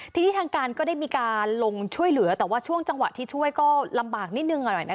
ทีนี้ทางการก็ได้มีการลงช่วยเหลือแต่ว่าช่วงจังหวะที่ช่วยก็ลำบากนิดนึงนะคะ